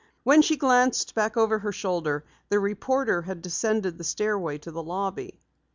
When she glanced back over her shoulder the reporter had descended the stairway to the lobby.